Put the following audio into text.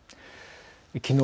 きのう